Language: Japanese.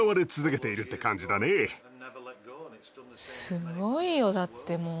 すごいよだってもう。